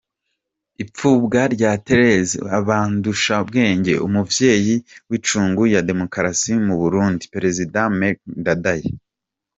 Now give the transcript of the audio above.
Ipfubwa rya Thérèse Bandushubwenge, umuvyeyi w'incungu ya Demokarasi mu Burundi perezida Melchior Ndadaye.